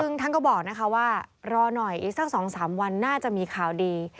ซึ่งท่านก็บอกนะคะว่ารอหน่อยอีกสัก๒๓วันน่าจะมีข่าวดี